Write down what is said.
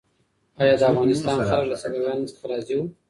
آیا د افغانستان خلک له صفویانو څخه راضي وو؟